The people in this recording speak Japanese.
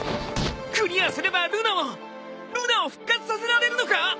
クリアすればルナをルナを復活させられるのか！？